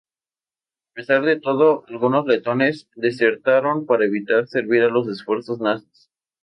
A pesar de todo, algunos letones desertaron para evitar servir a los esfuerzos nazis.